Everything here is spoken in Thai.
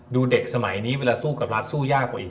ดูเด็กสมัยนี้เวลาสู้กับรัฐสู้ยากกว่าอีก